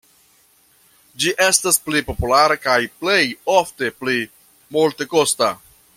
Ĝi estas pli populara kaj plej ofte pli multekosta.